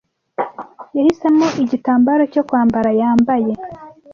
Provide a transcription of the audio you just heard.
Yahisemo igitambaro cyo kwambara yambaye.